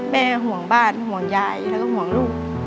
แม่ห่วงบ้านห่วงยายแล้วก็ห่วงลูก